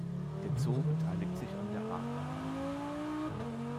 Der Zoo beteiligt sich an der Arterhaltung.